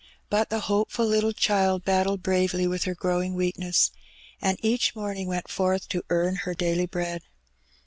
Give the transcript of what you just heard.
But the hopeful little child battled bravely with her growing weakness, and each morning went forth to earn her daily bread.